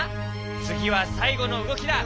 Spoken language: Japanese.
つぎはさいごのうごきだ。